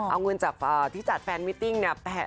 เอาเงินจากที่จัดแฟนมิติ้ง๑แสน๘๐บาท